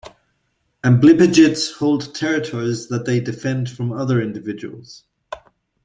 Amblypygids hold territories that they defend from other individuals.